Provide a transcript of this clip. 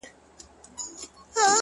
• نن یو امر او فرمان صادرومه,